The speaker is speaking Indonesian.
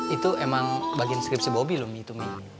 itu emang bagian skripsi bobby loh mi itu mi